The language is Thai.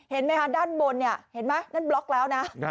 เห็นไหมคะด้านบนเนี่ยเห็นไหมนั่นบล็อกแล้วนะ